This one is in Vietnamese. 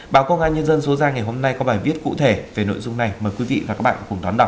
báo công an nhân dân số ra ngày hôm nay có bài viết cụ thể về nội dung này mời quý vị và các bạn cùng đón đọc